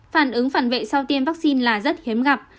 phản ứng phản vệ sau tiêm vaccine là rất hiếm gặp